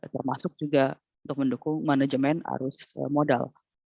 termasuk juga untuk mendukung manajemen arus modal